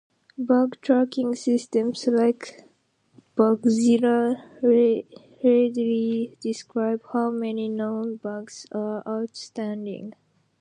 Bug tracking systems like Bugzilla readily describe how many "known" bugs are outstanding.